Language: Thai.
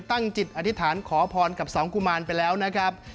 ตั้งจิตอธิษฐานขอพรกับสองกุมารไปแล้วนะครับ